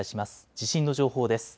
地震の情報です。